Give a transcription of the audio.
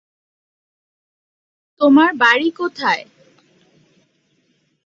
তোমার বাড়ি কোথায়?